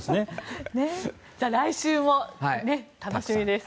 来週も楽しみです。